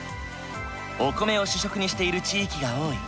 お米を主食にしている地域が多い。